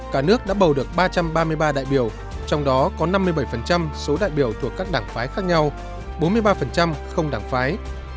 cả nước đã bầu được ba trăm ba mươi ba đại biểu trong đó có năm mươi bảy số đại biểu thuộc các đảng phái khác nhau bốn mươi ba không đảng phái